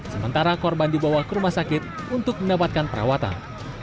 sementara korban dibawa ke rumah sakit untuk mendapatkan perawatan